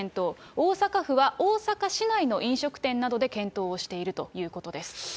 大阪府は大阪市内の飲食店などで検討をしているということです。